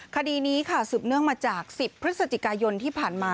คดีนี้ค่ะสืบเนื่องมาจาก๑๐พฤศจิกายนที่ผ่านมา